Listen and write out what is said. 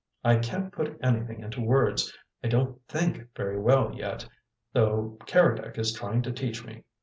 I can't put anything into words. I don't THINK very well yet, though Keredec is trying to teach me.